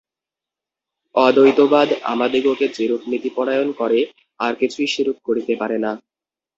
অদ্বৈতবাদ আমাদিগকে যেরূপ নীতিপরায়ণ করে, আর কিছুই সেরূপ করিতে পারে না।